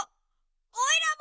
おいらも！